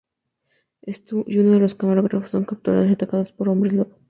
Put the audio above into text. Stu y uno de los camarógrafos son capturados y atacados por los hombres lobo.